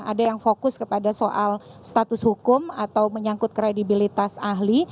ada yang fokus kepada soal status hukum atau menyangkut kredibilitas ahli